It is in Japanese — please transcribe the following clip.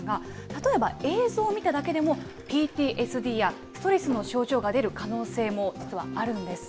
例えば映像を見ただけでも、ＰＴＳＤやストレスの症状が出る可能性も実はあるんです。